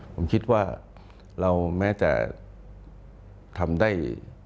ผมคิดว่าเราแม้จะทำได้